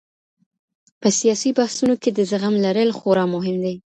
په سياسي بحثونو کي د زغم لرل خورا مهم دي.